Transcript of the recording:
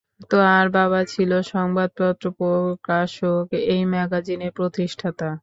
তার বাবা ছিলেন সংবাদপত্র প্রকাশক, এই ম্যাগাজিনের প্রতিষ্ঠাতা।